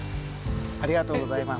ありがとうございます。